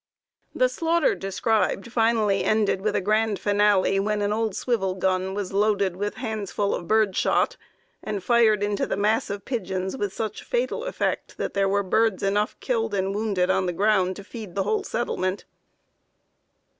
The slaughter described finally ended with a grand finale when an old swivel gun was "loaded with handsful of bird shot," and fired into the mass of pigeons with such fatal effect that there were birds enough killed and wounded on the ground to feed the whole settlement.